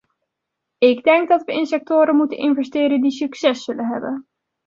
Ik denk dat we in sectoren moeten investeren die succes zullen hebben.